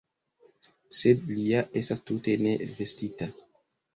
Sed li ja estas tute ne vestita!